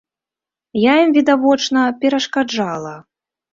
Я ім, відавочна, перашкаджала.